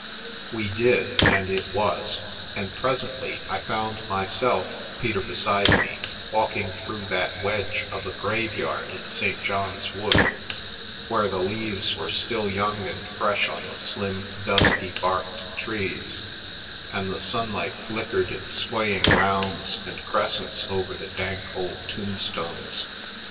We did, and it was; and presently I found myself, Peter beside me, walking through that wedge of a grave yard in St. John's Wood, where the leaves were still young and fresh on the slim, dusky barked trees, and the sunlight flickered in swaying rounds and crescents over the dank old tombstones.